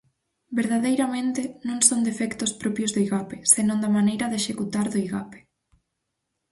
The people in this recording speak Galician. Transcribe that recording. Verdadeiramente, non son defectos propios do Igape, senón da maneira de executar do Igape.